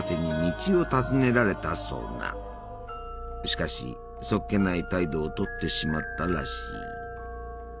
しかしそっけない態度をとってしまったらしい。